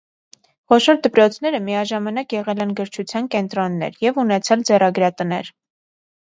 Խոշոր դպրոցները միաժամանակ եղել են գրչության կենտրոններ և ունեցել ձեռագրատներ։